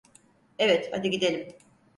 Evet, hadi gidelim.